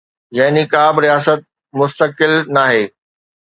يعني ڪا به رياست مستقل ناهي.